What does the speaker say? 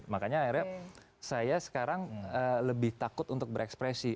makanya akhirnya saya sekarang lebih takut untuk berekspresi